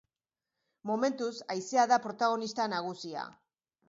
Momentuz haizea da protagonista nagusia.